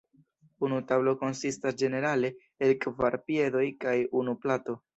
Unu tablo konsistas ĝenerale el kvar piedoj kaj unu plato.